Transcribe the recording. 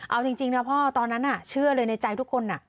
เอาจริงนะพ่อตอนนั้นเชื่อเลยในใจทุกคน